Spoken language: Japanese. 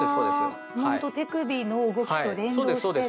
ほんと手首の動きと連動してね。